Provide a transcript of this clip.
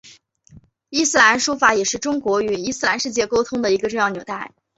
伊斯兰书法也是中国与伊斯兰世界沟通的一个重要纽带。